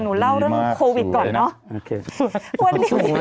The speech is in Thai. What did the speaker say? หนูเล่าเรื่องโควิดก่อนนะ